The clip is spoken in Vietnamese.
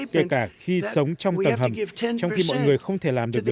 kể cả khi sống trong tầng hầm trong khi mọi người không thể làm được